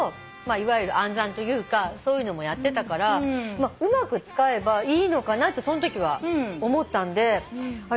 いわゆる暗算というかそういうのもやってたからうまく使えばいいのかなってそのときは思ったんで。